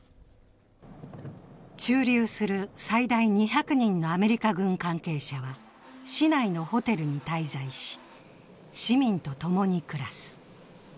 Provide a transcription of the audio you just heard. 駐留する最大２００人のアメリカ軍関係者は市内のホテルに滞在し市民と共に暮らす。